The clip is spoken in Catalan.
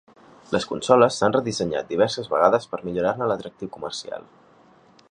Les consoles s'han redissenyat diverses vegades per millorar-ne l'atractiu comercial.